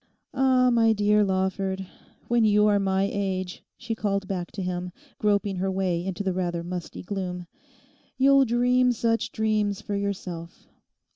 'Ah, my dear Lawford, when you are my age,' she called back to him, groping her way into the rather musty gloom, 'you'll dream such dreams for yourself.